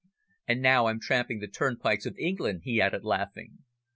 "And now I'm tramping the turnpikes of England," he added, laughing.